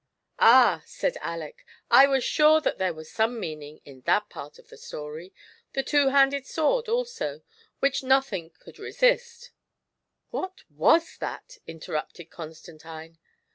"Ah !" said Aleck, "I was sure that there was some meaning in that part of the story. The two handed sword also, which nothing could resist "— "What was that?" interrupted Constantine.